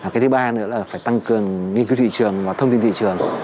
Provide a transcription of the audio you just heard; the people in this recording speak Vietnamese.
cái thứ ba nữa là phải tăng cường nghiên cứu thị trường và thông tin thị trường